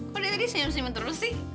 kok dia tadi senyum senyum terus sih